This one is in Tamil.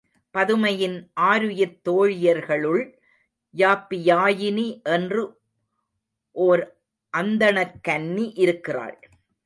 பதுமையின் ஆருயிர்த் தோழியர்களுள் யாப்பியாயினி என்று ஒர் அந்தணக் கன்னி இருக்கிறாள்.